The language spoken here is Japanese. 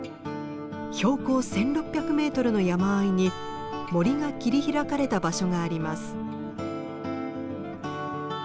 標高１，６００メートルの山あいに森が切り開かれた場所があります。